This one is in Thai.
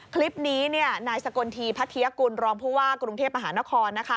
คลิปนี้นายสกลทีพระเทียกุลรองผู้ว่ากรุงเทพอาหารคลนะคะ